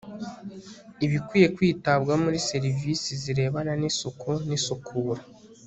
ibikwiye kwitabwaho muri serivisi zirebana n' isuku n' isukura